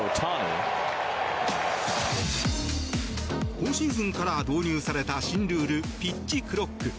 今シーズンから導入された新ルール、ピッチクロック。